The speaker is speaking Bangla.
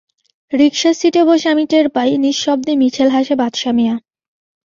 রিকশার সিটে বসে আমি টের পাই, নিঃশব্দে মিঠেল হাসে বাদশা মিঞা।